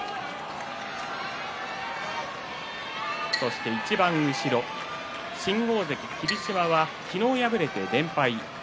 そして、いちばん後ろ新大関霧島は昨日敗れて連敗。